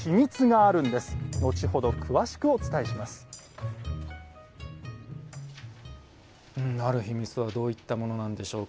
ある秘密はどういったものなんでしょうか。